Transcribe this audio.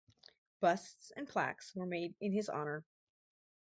Busts and plaques were made in his honor.